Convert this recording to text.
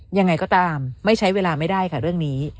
ยังไงก็ตามไม่ใช้เวลาไม่ได้ค่ะเรื่องนี้